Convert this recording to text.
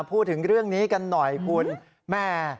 พูดถึงเรื่องนี้กันหน่อยคุณแม่